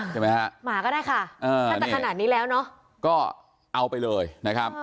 ใช่ไหมฮะหมาก็ได้ค่ะถ้าจะขนาดนี้แล้วเนอะก็เอาไปเลยนะครับ